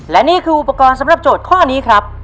และนี่คืออุปกรณ์สำหรับโจทย์ข้อนี้ครับ